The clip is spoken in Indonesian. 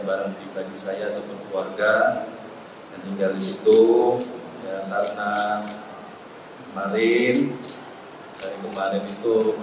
barang tiba tiba saya ataupun keluarga tinggal disitu karena kemarin dari kemarin itu